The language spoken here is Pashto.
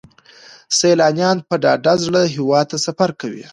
سیلانیان په ډاډه زړه هیواد ته سفر کوي.